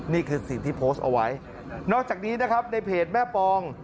นี่คือสิ่งที่โพสต์เอาไว้นอกจากนี้นะครับในเพจแม่ปอง